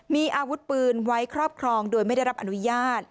มีอาวุธปืนไว้ครอบครองโดยไม่ได้รับอนุญาต